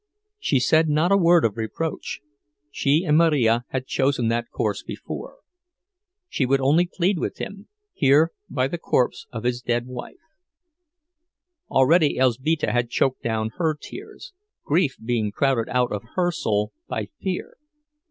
She said not a word of reproach—she and Marija had chosen that course before; she would only plead with him, here by the corpse of his dead wife. Already Elzbieta had choked down her tears, grief being crowded out of her soul by fear.